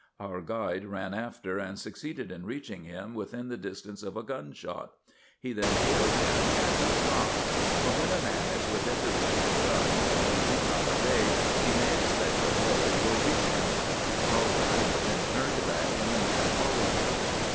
Our guide ran after and succeeded in reach ing him within the distance of a gun shot ; he then hailed him, and he stopped ; for when a man is within the reach of a gun, if he do not obey, he may expect a ball will reach him. Our guide then turned back, and the man followed him.